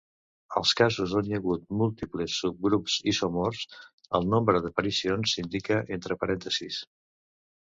Als casos on hi ha múltiples subgrups isomorfs, el nombre d'aparicions s'indica entre parèntesis.